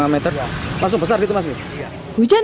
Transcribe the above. masuk besar gitu mas